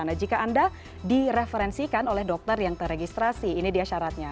nah jika anda direferensikan oleh dokter yang teregistrasi ini dia syaratnya